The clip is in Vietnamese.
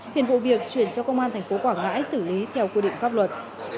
hiện vụ việc chuyển cho công an tp quảng ngãi xử lý theo quy định pháp luật